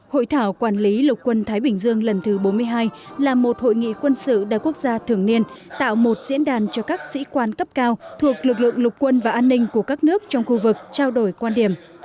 hội thảo quản lý lục quân thái bình dương lần thứ bốn mươi hai là một hội nghị quân sự đa quốc gia thường niên tạo một diễn đàn cho các sĩ quan cấp cao thuộc lực lượng lục quân và an ninh của các nước trong khu vực trao đổi quan điểm